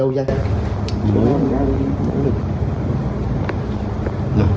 trên mạng ạ